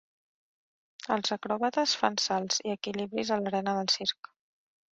Els acròbates fan salts i equilibris a l'arena del circ.